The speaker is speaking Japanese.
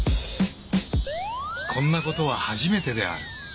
こんなことは初めてである。